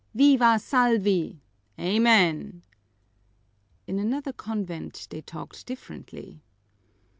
"Viva Salvi!" "Amen!" In another convent they talked differently.